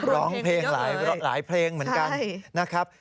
ร้องเพลงหลายเพลงเหมือนกัน